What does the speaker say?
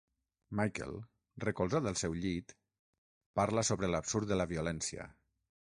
Michael, recolzat al seu llit, parla sobre l'absurd de la violència.